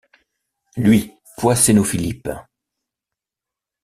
Lui, poisser nos philippes !...